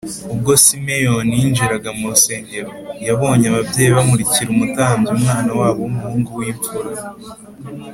Ubwo Simeyoni yinjiraga mu rusengero, yabonye ababyeyi bamurikira umutambyi umwana wabo w’umuhungu w’imfura